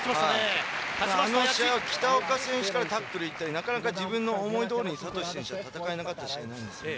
あの試合は北岡選手からタックルに行ったりなかなか自分の思いどおりにサトシ選手は戦えなかった試合なんですよね。